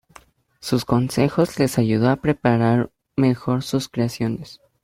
Sus consejos les ayudó a preparar mejor sus creaciones.